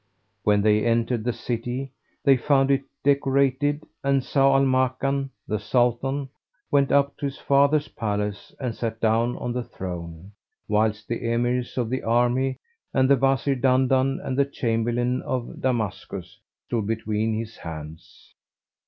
When they entered the city, they found it decorated, and Zau al Makan, the Sultan, went up to his father's palace and sat down on the throne, whilst the Emirs of the army and the Wazir Dandan and the Chamberlain of Damascus stood between his hands.